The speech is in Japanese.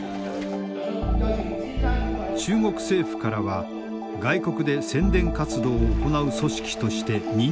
中国政府からは外国で宣伝活動を行う組織として認定を受けた。